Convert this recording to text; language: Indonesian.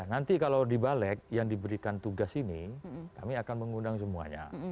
nanti kalau dibalik yang diberikan tugas ini kami akan mengundang semuanya